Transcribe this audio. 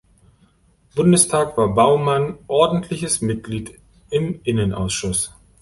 Bundestag war Baumann Ordentliches Mitglied im Innenausschuss.